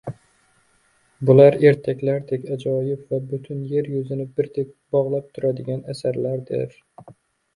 Bular ertaklardek ajoyib va butun yer yuzini birdek bog‘lab turadigan asarlardir.